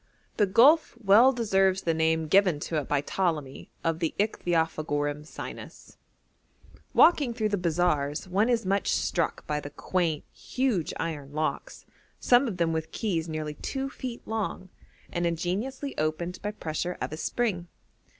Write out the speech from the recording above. The gulf well deserves the name given to it by Ptolemy of the Ichthyophagorum sinus. Walking through the bazaars one is much struck by the quaint, huge iron locks, some of them with keys nearly two feet long, and ingeniously opened by pressure of a spring.